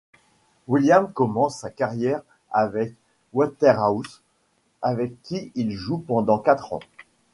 Williams commence sa carrière avec le Waterhouse, avec qui il joue pendant quatre ans.